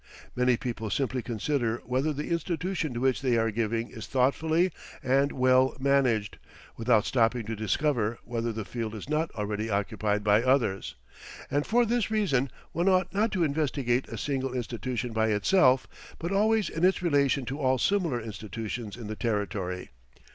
Many people simply consider whether the institution to which they are giving is thoughtfully and well managed, without stopping to discover whether the field is not already occupied by others; and for this reason one ought not to investigate a single institution by itself, but always in its relation to all similar institutions in the territory.